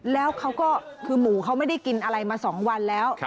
แล้วเขาก็คือหมูเขาไม่ได้กินอะไรมา๒วันแล้ว